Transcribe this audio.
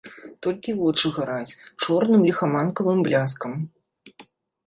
Толькі вочы гараць чорным ліхаманкавым бляскам.